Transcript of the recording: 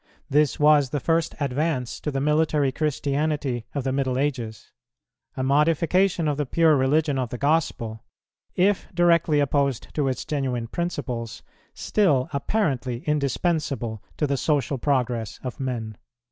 .... This was the first advance to the military Christianity of the middle ages, a modification of the pure religion of the Gospel, if directly opposed to its genuine principles, still apparently indispensable to the social progress of men."